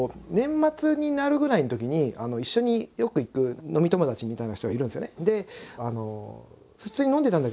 年末になるぐらいのときに一緒によく行く飲み友達みたいな人がいるんですよね。